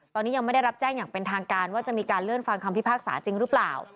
ตอนนี้ยังไม่ได้รับแจ้งอย่างเป็นทางการว่าจะมีการเลื่อนฟังคำพิพากษาจริงหรือเปล่า